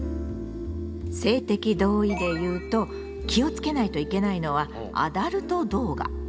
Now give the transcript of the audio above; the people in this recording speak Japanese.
性的同意でいうと気をつけないといけないのはアダルト動画。